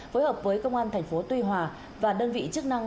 phối hợp với công an thành phố tuy hòa và đơn vị chức năng